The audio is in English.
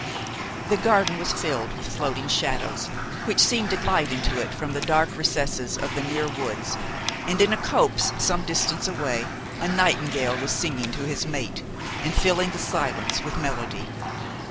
The garden was filled with floating shadows, which seemed to glide into it from the dark recesses of the near woods, and in a copse some distance away a nightingale was singing to his mate, and filling the silence with melody.